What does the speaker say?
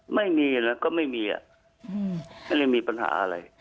ไม่มีแล้วก็ไม่มีไม่ได้มีปัญหาอะไร